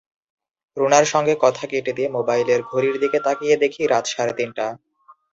রুনার সঙ্গে কথা কেটে দিয়ে মোবাইলের ঘড়ির দিকে তাকিয়ে দেখি রাত সাড়ে তিনটা।